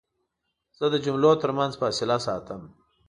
زه د جملو ترمنځ فاصله ساتم.